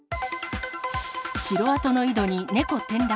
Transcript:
城跡の井戸に猫転落。